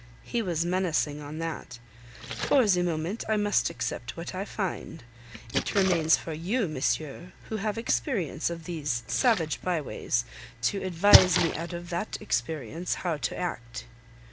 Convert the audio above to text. He was menacing on that. "For the moment I must accept what I find. It remains for you, monsieur, who have experience of these savage by ways, to advise me out of that experience how to act."